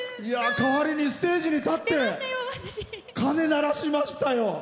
代わりにステージに立って鐘を鳴らしましたよ。